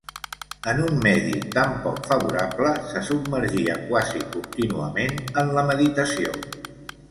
En un medi tan poc favorable, se submergia quasi contínuament en la meditació.